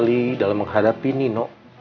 kali dalam menghadapi nino